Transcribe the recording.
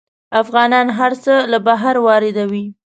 افغانان هر څه له بهر واردوي.